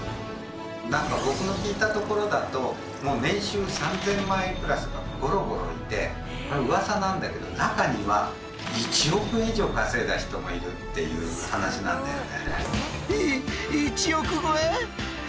何か僕の聞いたところだと年収３，０００万円クラスがゴロゴロいてうわさなんだけど中には１億円以上稼いだ人もいるっていう話なんだよね。